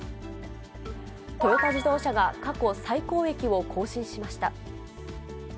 トヨタ自動車が過去最高益を更新しました。